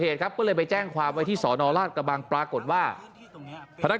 เหตุครับก็เลยไปแจ้งความไว้ที่สอนอราชกระบังปรากฏว่าพนัก